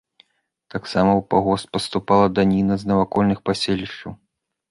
Таксама ў пагост паступала даніна з навакольных паселішчаў.